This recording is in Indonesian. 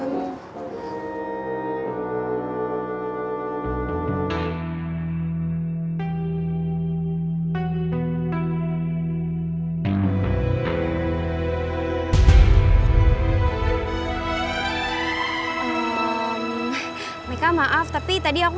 meninggalkan sisi tuju